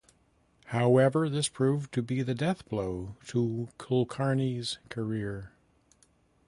However, this proved to be the death blow to Kulkarni's career.